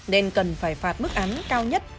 nên cần phải phạt mức án cao nhất